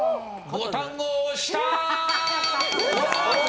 ボタンを押したー！